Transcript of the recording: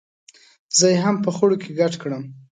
زه یې هم په خړو کې ګډ کړم.